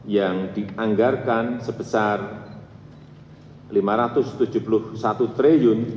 yang dianggarkan sebesar rp lima ratus tujuh puluh satu triliun